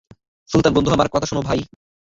সুলতান, বন্ধু আমার, কথা শোনো ভাই।